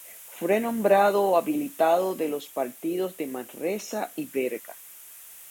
Fue nombrado habilitado de los partidos de Manresa y Berga.